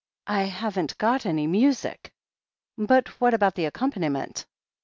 1 haven't got any music." 'But what about the accompaniment?"